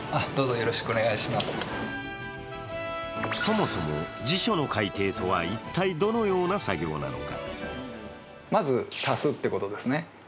そもそも辞書の改訂とは一体どのような作業なのか。